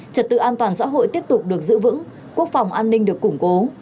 trật tự an toàn xã hội tiếp tục được giữ vững quốc phòng an ninh được củng cố